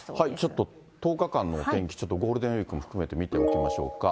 ちょっと１０日間のお天気、ちょっとゴールデンウィークも含めて見ておきましょうか。